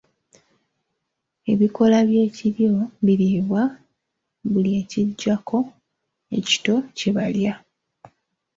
Ebikoola by’ekiryo biriibwa, buli ekijjako ekito kye balya.